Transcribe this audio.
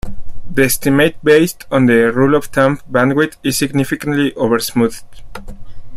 The estimate based on the rule-of-thumb bandwidth is significantly oversmoothed.